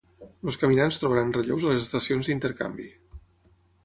Els caminants trobaran relleus a les estacions d'intercanvi.